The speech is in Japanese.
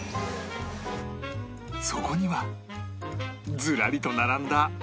そこにはずらりと並んだあんこ商品